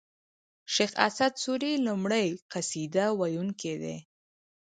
شېخ اسعد سوري لومړی قصيده و يونکی دﺉ.